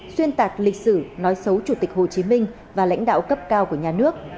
xuyên tạc lịch sử nói xấu chủ tịch hồ chí minh và lãnh đạo cấp cao của nhà nước